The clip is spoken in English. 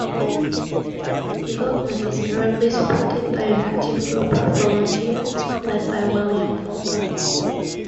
Development is currently supported by an active group of volunteers led by William Fulton.